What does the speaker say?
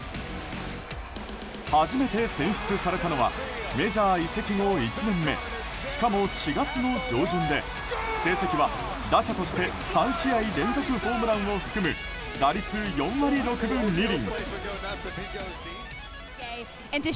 初めて選出されたのはメジャー移籍後１年目しかも４月の上旬で成績は打者として３試合連続ホームランを含む打率４割６分２厘。